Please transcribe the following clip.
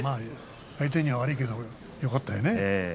相手には悪いけどよかったよね。